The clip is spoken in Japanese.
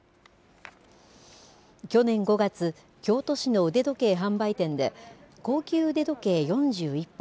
去年５月京都市の腕時計販売店で高級腕時計４１本